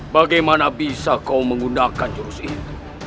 bagaimana bisa kau menggunakan jurus itu